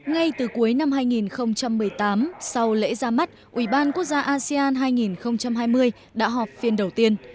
ngay từ cuối năm hai nghìn một mươi tám sau lễ ra mắt ủy ban quốc gia asean hai nghìn hai mươi đã họp phiên đầu tiên